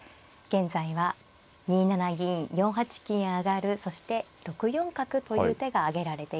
現在は２七銀４八金上そして６四角という手が挙げられています。